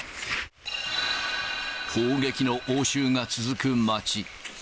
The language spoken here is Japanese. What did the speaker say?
砲撃の応酬が続く街。